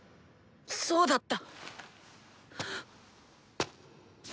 そうだった！